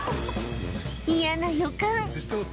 嫌な予感